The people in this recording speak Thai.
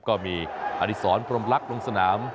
ก็มีอดิษรพรมลักษณ์ลงสนาม